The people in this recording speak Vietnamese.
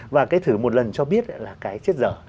và cái thử một lần cho biết là cái chết dở